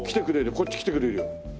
こっち来てくれるよ。